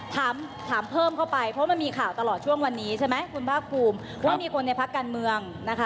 ถามเพิ่มเข้าไปเพราะมันมีข่าวตลอดช่วงวันนี้มีคนในพักการเมือง